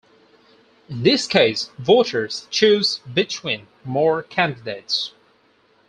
In this case, voters choose between more candidates.